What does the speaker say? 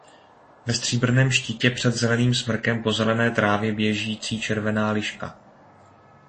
Ve stříbrném štítě před zeleným smrkem po zelené trávě běžící červená liška.